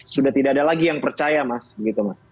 sudah tidak ada lagi yang percaya mas